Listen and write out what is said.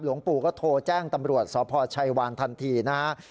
หลวงปู่ก็โทรแจ้งตำรวจสพชัยวานทันทีนะฮะ